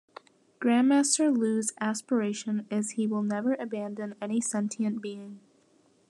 Grandmaster Lu's aspiration is he will never abandon any sentient being.